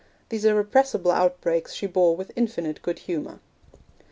These irrepressible outbreaks she bore with infinite good humour.